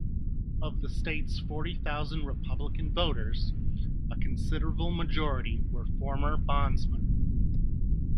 Of the state's forty thousand Republicans voters, a considerable majority were former bondsmen.